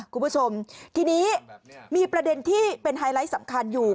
คุณผู้ชมทีนี้มีประเด็นที่เป็นไฮไลท์สำคัญอยู่